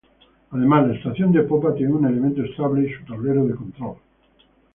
Además la estación de popa tiene un elemento estable y su tablero de control.